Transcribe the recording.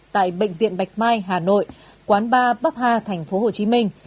tại bệnh viện bạch mai hà nội quán ba bắp ha tp hồ chí minh